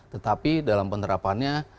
tetapi dalam penerapannya